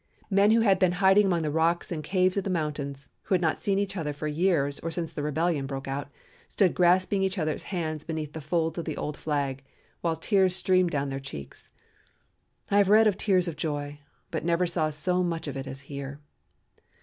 Men who had been hiding among the rocks and caves of the mountains, and who had not seen each other for years or since the rebellion broke out, stood grasping each other's hands beneath the folds of the old flag, while tears streamed down their cheeks. I have read of 'tears of joy,' but never saw so much of it as here.